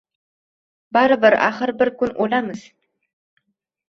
Baribir, axir, bir kun o’lamiz